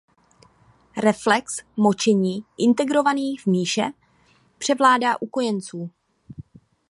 Reflex močení integrovaný v míše převládá u kojenců.